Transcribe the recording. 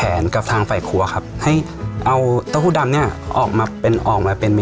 เอาไปแช่ในน้ำผะโลอืม